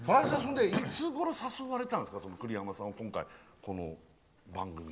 いつごろ誘われたんですか栗山さんをこの番組に。